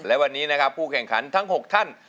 และวันนี้นะครับผู้แข่งขันทั้ง๖ท่าน